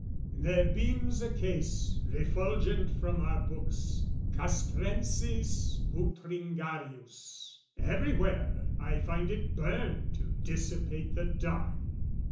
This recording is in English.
There beams a case refulgent from our books Castrensis, Butringarius, everywhere I find it burn to dissipate the dark.